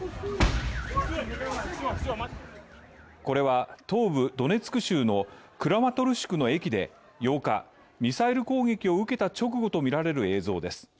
これは東部ドネツク州のクラマトルシクの駅で８日ミサイル攻撃を受けた直後とみられる映像です。